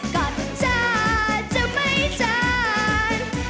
ก็จ้าจะไม่เชิญ